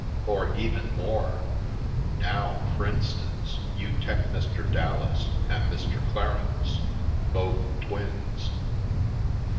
"Or even more! Now, f'rinstances, you tek Mr. Dallas an' Mr. Clarence — both twins.